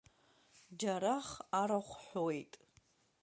Џьарах арахә ҳәуеит.